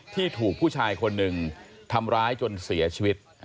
ที่ถูกผู้ชายคนหนึ่งทำร้ายจนเสียชีวิต